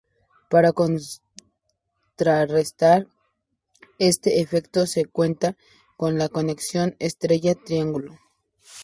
Para contrarrestar este efecto, se cuenta con la conexión estrella-triángulo.